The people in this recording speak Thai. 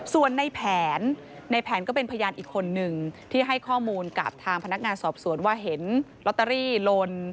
ส่วนในแผนในแผนก็เป็นพยานอีกคนนึงที่ให้ข้อมูลกับทางพนักงานสอบสวนว่าเห็นลอตเตอรี่ลน